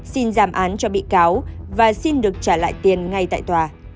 xin giảm án cho bị cáo và xin được trả lại tiền ngay tại tòa